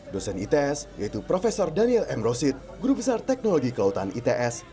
dosen its yaitu profesor daniel m rosid guru besar teknologi kelautan its